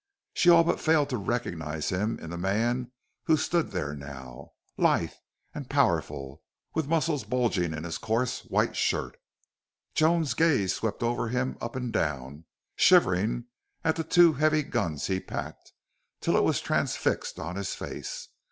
She all but failed to recognize him in the man who stood there now, lithe and powerful, with muscles bulging in his coarse, white shirt. Joan's gaze swept over him, up and down, shivering at the two heavy guns he packed, till it was transfixed on his face.